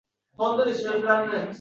O`z otamni hech qachon ko`rmaganman